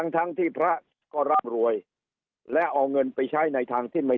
ทั้งที่พระก็ร่ำรวยและเอาเงินไปใช้ในทางที่ไม่